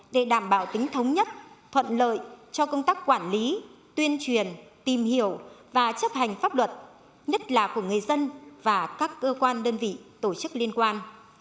để đảm bảo tính thống nhất thuận lợi cho công tác quản lý tuyên truyền tìm hiểu và chấp hành pháp luật nhất là của người dân và các cơ quan đơn vị tổ chức liên quan